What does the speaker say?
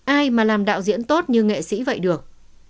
ai mà làm đạo diễn tốt như nghệ sĩ vậy được